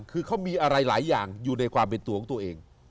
คือเขามีอะไรหลายอย่างอยู่ในความเป็นตัวของตัวเอง